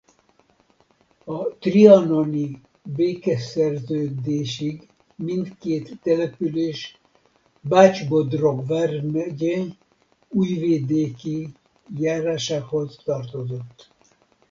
A trianoni békeszerződésig mindkét település Bács-Bodrog vármegye Újvidéki járásához tartozott.